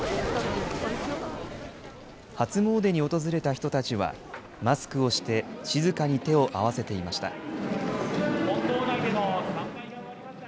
初詣に訪れた人たちはマスクをして、静かに手を合わせていました。